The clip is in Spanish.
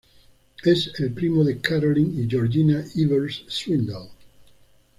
Es el primo de Caroline y Georgina Evers-Swindell.